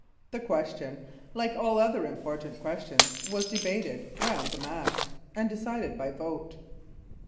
The question, like all other important questions, was debated round the mast, and decided by vote.